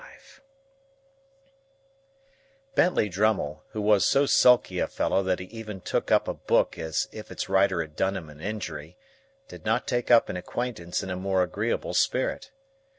Bentley Drummle, who was so sulky a fellow that he even took up a book as if its writer had done him an injury, did not take up an acquaintance in a more agreeable spirit.